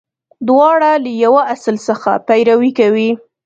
• دواړه له یوه اصل څخه پیروي کوي.